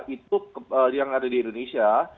itu yang ada di indonesia